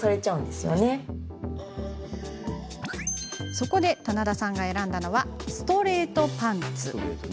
そこで棚田さんが選んだのはストレートパンツ。